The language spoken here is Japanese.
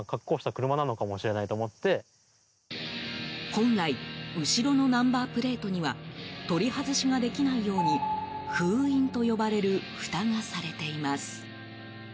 本来後ろのナンバープレートには取り外しができないように封印と呼ばれるふたがされています。